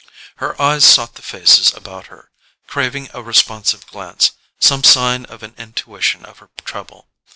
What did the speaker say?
Her eyes sought the faces about her, craving a responsive glance, some sign of an intuition of her trouble.